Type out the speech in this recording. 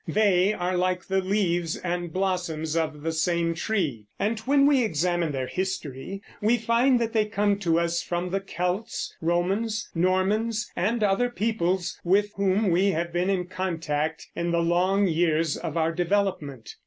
They are like the leaves and blossoms of the same tree, and when we examine their history we find that they come to us from the Celts, Romans, Normans, and other peoples with whom we have been in contact in the long years of our development.